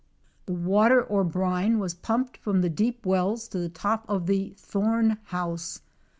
The water or brine was pumped from the deep wells to the top of the "thorn house."